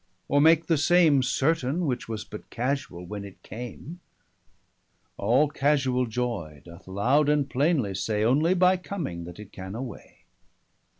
Or make the same Certaine, which was but casuall, when it came? All casuall joy doth loud and plainly say, 485 Only by comming, that it can away.